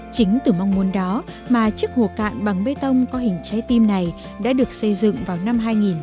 chính từ mong muốn đó mà chiếc hồ cạn bằng bê tông có hình trái tim này đã được xây dựng vào năm hai nghìn một mươi